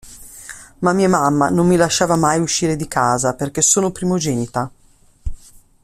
Ma mia mamma non mi lasciava mai uscire di casa, perché sono primogenita.